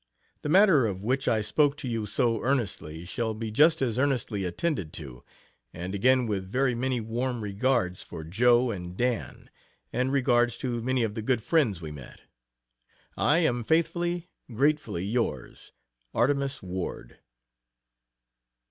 The matter of which I spoke to you so earnestly shall be just as earnestly attended to and again with very many warm regards for Jo. and Dan., and regards to many of the good friends we met. I am Faithfully, gratefully yours, ARTEMUS WARD.